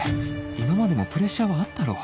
今までもプレッシャーはあったろ？